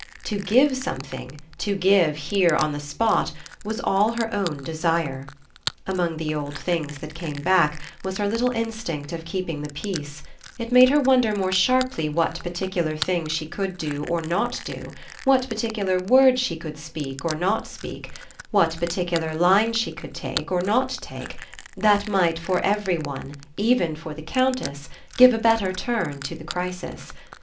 To give something, to give here on the spot, was all her own desire. Among the old things that came back was her little instinct of keeping the peace; it made her wonder more sharply what particular thing she could do or not do, what particular word she could speak or not speak, what particular line she could take or not take, that might for every one, even for the Countess, give a better turn to the crisis.